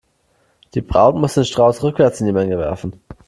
Die Braut muss den Strauß rückwärts in die Menge werfen.